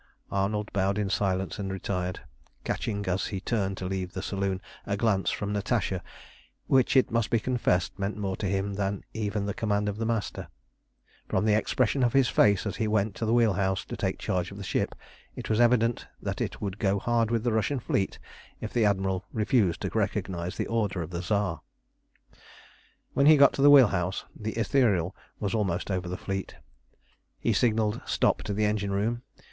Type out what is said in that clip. Arnold bowed in silence and retired, catching, as he turned to leave the saloon, a glance from Natasha which, it must be confessed, meant more to him than even the command of the Master. From the expression of his face as he went to the wheel house to take charge of the ship, it was evident that it would go hard with the Russian fleet if the Admiral refused to recognise the order of the Tsar. When he got to the wheel house the Ithuriel was almost over the fleet. He signalled "stop" to the engine room.